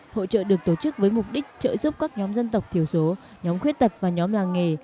hội trợ được tổ chức với mục đích trợ giúp các nhóm dân tộc thiểu số nhóm khuyết tật và nhóm làng nghề